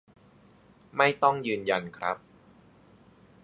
ไม่ต้องยืนยันครับ